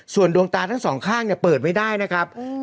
ส่วนดวงตาทั้งสองข้างเนี่ยเปิดไม่ได้นะครับ